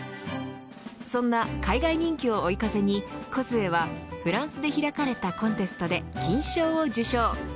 そんな海外人気を追い風にＫＯＺＵＥはフランスで開かれたコンテストで金賞を受賞。